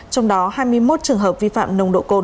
trong đó hai mươi một trường hợp vi phạm nồng độ cồn